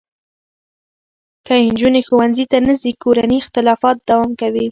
که نجونې ښوونځي ته نه ځي، کورني اختلافات دوام کوي.